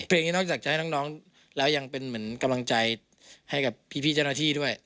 นี้นอกจากจะให้น้องแล้วยังเป็นเหมือนกำลังใจให้กับพี่เจ้าหน้าที่ด้วย